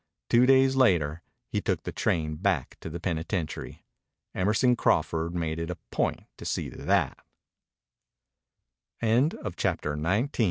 Two days later he took the train back to the penitentiary. Emerson Crawford made it a point to see to that. CHAPTER XX THE LITTLE MOTHER FR